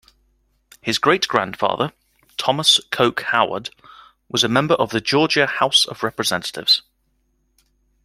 His great-grandfather, Thomas Coke Howard, was a member of the Georgia House of Representatives.